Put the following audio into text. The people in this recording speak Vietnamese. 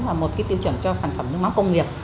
và một tiêu chuẩn cho sản phẩm nước mắm công nghiệp